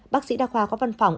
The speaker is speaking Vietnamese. bác sĩ đa khoa có văn phòng